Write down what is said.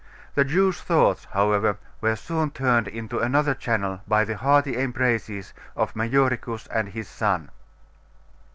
The Jew's thoughts, however, were soon turned into another channel by the hearty embraces of Majoricus and his son.